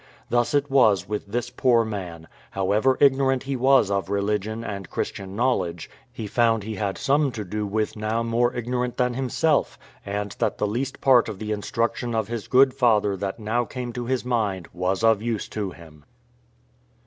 Thus it was with this poor man: however ignorant he was of religion and Christian knowledge, he found he had some to do with now more ignorant than himself, and that the least part of the instruction of his good father that now came to his mind was of use to him.